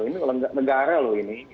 ini negara loh ini